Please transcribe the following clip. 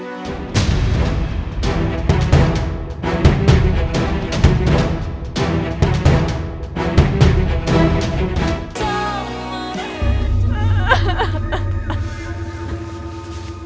lu dengar suara cewek nangis gak rul